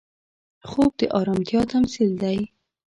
خوب د ارامتیا تمثیل دی